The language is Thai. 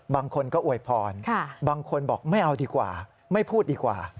บางคนก็อวยพรบางคนบอกไม่เอาดีกว่าไม่พูดดีกว่า